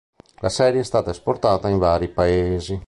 La serie è stata esportata in vari Paesi.